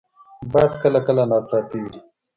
باد کله کله ناڅاپي وي